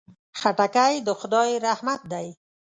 خټکی د خدای رحمت دی.